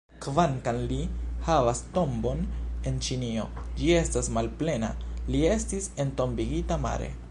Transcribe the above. Kvankam li havas tombon en Ĉinio, ĝi estas malplena: li estis entombigita mare.